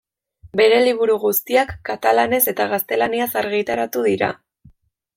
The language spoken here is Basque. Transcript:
Bere liburu guztiak katalanez eta gaztelaniaz argitaratu dira.